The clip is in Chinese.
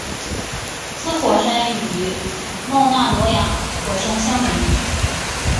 此火山与冒纳罗亚火山相邻。